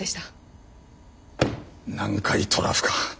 南海トラフか。